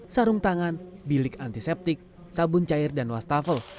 sarung tangan bilik antiseptik sabun cair dan wastafel